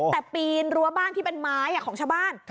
แต่ปีนรั้วบ้านที่เป็นไม้ของชาวบ้าน